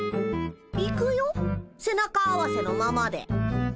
行くよ背中合わせのままで。